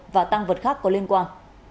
và tăng vật khác có liên quan